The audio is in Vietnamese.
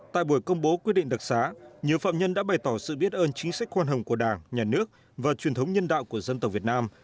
tại buổi công bố quyết định đặc xá nhiều phạm nhân đã bày tỏ sự biết ơn chính sách khoan hồng của đảng nhà nước và truyền thống nhân đạo của dân tộc việt nam